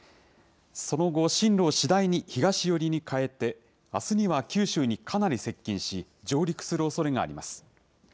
その後、進路を次第に東寄りに変えて、あすには九州にかなり接近し、上陸するおそれがあります。